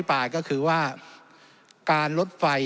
จำนวนเนื้อที่ดินทั้งหมด๑๒๒๐๐๐ไร่